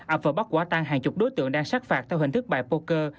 ảp vợ bắt quả tăng hàng chục đối tượng đang sát phạt theo hình thức bài poker